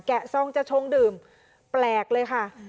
ซองจะชงดื่มแปลกเลยค่ะ